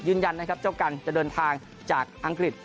ยืนยันนะครับเจ้ากันจะเดินทางจากอังกฤษ